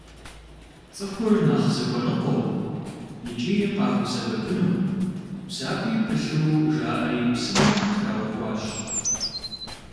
Цӏыхур нэхъ зыхуэныкъуэу икӏи къахуэсэбэпыну, псапи пылъу жаӏэри псынэм траухуащ.